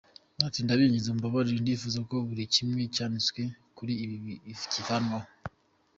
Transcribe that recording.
Ati “Ndabinginze mumbabarire, ndifuza ko buri kimwe cyanditswe kuri ibi kivanwaho.”